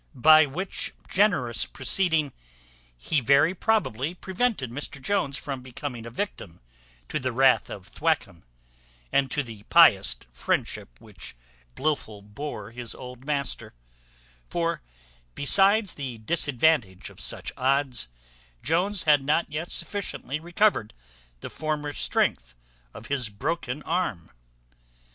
By which generous proceeding he very probably prevented Mr Jones from becoming a victim to the wrath of Thwackum, and to the pious friendship which Blifil bore his old master; for, besides the disadvantage of such odds, Jones had not yet sufficiently recovered the former strength of his broken arm.